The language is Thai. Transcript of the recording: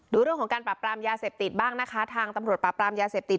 ดูเรื่องของการปรับปรามยาเสพติดบ้างนะคะทางตำรวจปราบปรามยาเสพติด